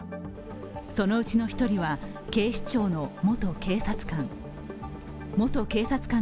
そのうちの１人は、警視庁の元警察官。